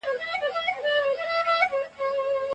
ایا کباب د غریب انسان لپاره یو لوی او نه پوره کېدونکی ارمان دی؟